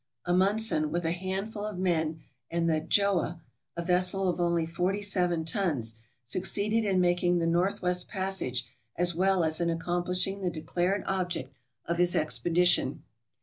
Amundsen, with a handful of men, and the "Gjoa," a vessel of only 47 tons, succeeded in making the northwest passage, as well as in accomplishing the declared object of his expedition.